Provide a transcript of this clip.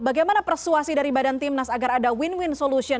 bagaimana persuasi dari badan timnas agar ada win win solution